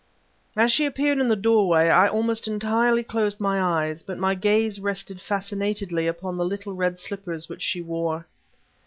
As she appeared in the doorway I almost entirely closed my eyes, but my gaze rested fascinatedly upon the little red slippers which she wore.